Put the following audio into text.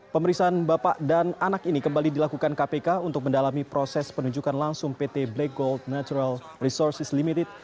pemeriksaan bapak dan anak ini kembali dilakukan kpk untuk mendalami proses penunjukan langsung pt black gold natural resources limited